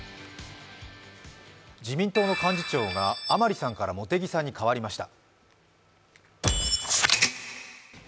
自民党の幹事長が甘利さんから茂木さんに代わりました。